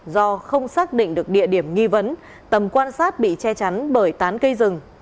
do không xác định được địa điểm nghi vấn tầm quan sát bị che chắn bởi tán cây rừng